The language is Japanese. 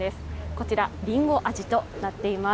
こちら、りんご味となっています。